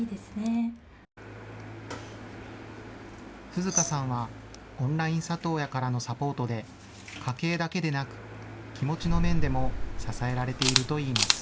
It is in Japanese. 涼花さんはオンライン里親からのサポートで家計だけでなく気持ちの面でも支えられているといいます。